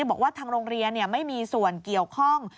บอกว่าทางโรงเรียนไม่มีส่วนเกี่ยวข้อง